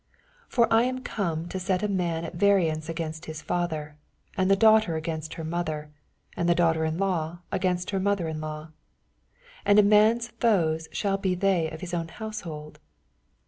35 For I am come to set a man at Yariance against his father, and the daughter against her mother, and the daughter in law against her mother inlaw. 86 And a man^s foes shall Is they of his own hoasehold.